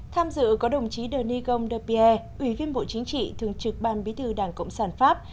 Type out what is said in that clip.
tham dự có đồng chí denis gondepierre ủy viên bộ chính trị thường trực ban bí thư đảng cộng sản pháp